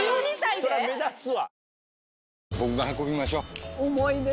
そりゃ目立つわ。